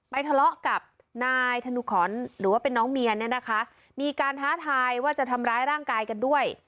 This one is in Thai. ทะเลาะกับนายธนุขรหรือว่าเป็นน้องเมียเนี่ยนะคะมีการท้าทายว่าจะทำร้ายร่างกายกันด้วย